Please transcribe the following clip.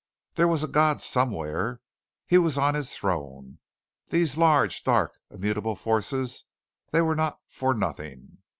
There was a God somewhere. He was on His throne. These large, dark, immutable forces, they were not for nothing.